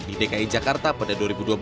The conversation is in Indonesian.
di dki jakarta pada dua ribu dua belas